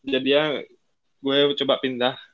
jadinya gue coba pindah